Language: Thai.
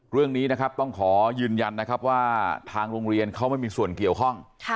เรื่องนี้ต้องขอยืนยันว่าทางโรงเรียนเขาไม่มีส่วนเกี่ยวข้อง